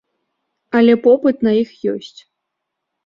Але попыт на іх ёсць.